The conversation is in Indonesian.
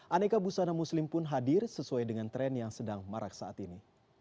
aneka busana muslim pun hadir sesuai dengan tren yang sedang marak saat ini